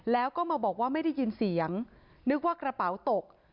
แล้วก็มาบอกว่าไม่ได้ยินเสียงนึกว่ากระเป๋าตก